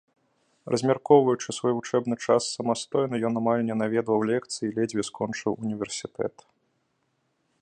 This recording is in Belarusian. Размяркоўваючы свой вучэбны час самастойна, ён амаль не наведваў лекцыі і ледзьве скончыў універсітэт.